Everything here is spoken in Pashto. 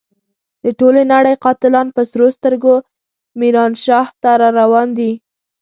د ټولې نړۍ قاتلان په سرو سترګو ميرانشاه ته را روان دي.